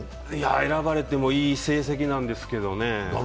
選ばれてもいい成績なんですけどね。